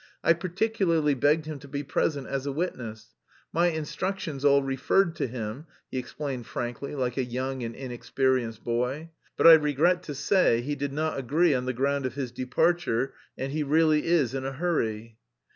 "I particularly begged him to be present as a witness; my instructions all referred to him (he explained frankly like a young and inexperienced boy). But I regret to say he did not agree on the ground of his departure, and he really is in a hurry."